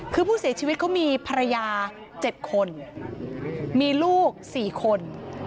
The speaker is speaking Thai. คือผู้เสียชีวิตเขามีภรรยา๗คนมีลูก๔คน